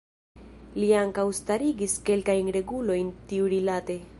Li ankaŭ starigis kelkajn regulojn tiurilate.